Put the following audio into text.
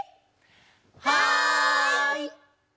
はい！